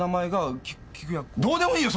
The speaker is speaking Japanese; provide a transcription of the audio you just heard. どうでもいいよ